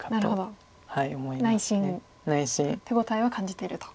なるほど内心手応えは感じていると。